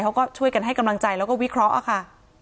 เขาก็ช่วยกันให้กำลังใจแล้วก็วิเคราะห์ค่ะ